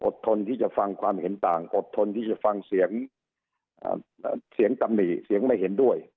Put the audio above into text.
ทนที่จะฟังความเห็นต่างอดทนที่จะฟังเสียงเสียงตำหนิเสียงไม่เห็นด้วย